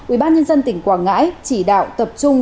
ubnd tỉnh quảng ngãi chỉ đạo tập trung